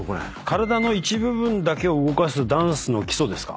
体の一部分だけを動かすダンスの基礎ですか。